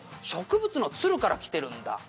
植物の蔓からきてるんだ」